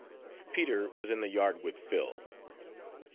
Peter was in the yard with Phil.